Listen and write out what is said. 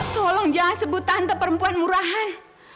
tolong jangan sebut tante perempuan murahan